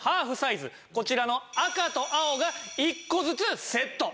こちらの赤と青が１個ずつセット。